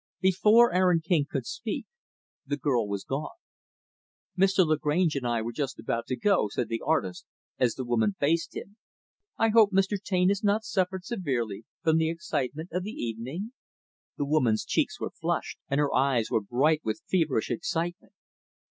Before Aaron King could speak, the girl was gone. "Mr. Lagrange and I were just about to go," said the artist, as the woman faced him. "I hope Mr. Taine has not suffered severely from the excitement of the evening?" The woman's cheeks were flushed, and her eyes were bright with feverish excitement.